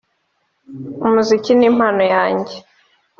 Umuziki ni impano yanjye